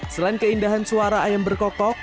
selain keindahan suara ayam berkokok